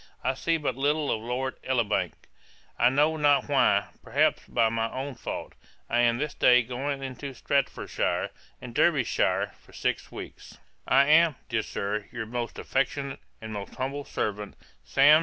I see but little of Lord Elibank, I know not why; perhaps by my own fault. I am this day going into Staffordshire and Derbyshire for six weeks. 'I am, dear Sir, 'Your most affectionate, 'And most humble servant, 'SAM.